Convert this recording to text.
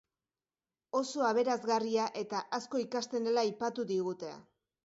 Oso aberasgarria eta asko ikasten dela aipatu digute.